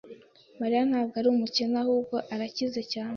Mariya ntabwo ari umukene. Ahubwo arakize cyane.